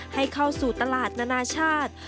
ให้เข้าสู่ตลาดนานาชาติ